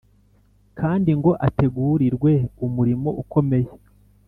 kandi ngo ategurirwe umurimo ukomeye